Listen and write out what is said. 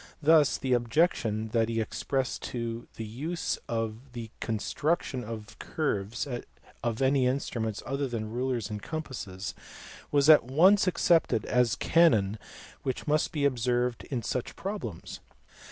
Thus the ob jection that he expressed to the use in the construction of curves of any instruments other than rulers and compasses was at once accepted as a canon which must be observed in such problems.